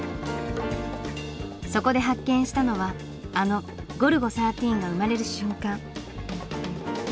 そこで発見したのはあの「ゴルゴ１３」が生まれる瞬間。